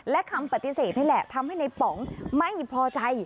และคำปฏิเสธนี่แหละทำให้ในป๋องไม่พอใจ